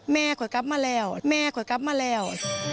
แม่ขวดกรัฟมาแล้วแม่ขวดกรัฟมาแล้ว